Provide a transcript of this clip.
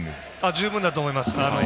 十分だと思います。